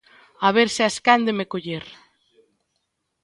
A ver se es quen de me coller